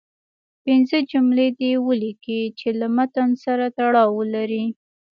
پنځه جملې دې ولیکئ چې له متن سره تړاو ولري.